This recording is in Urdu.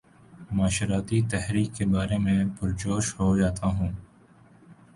معاشرتی تحاریک کے بارے میں پر جوش ہو جاتا ہوں